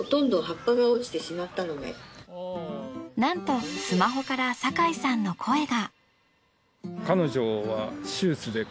なんとスマホから酒井さんの声が。